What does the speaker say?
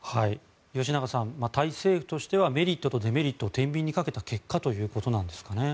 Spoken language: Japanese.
吉永さんタイ政府としてはメリットとデメリットをてんびんにかけた結果ということなんですかね。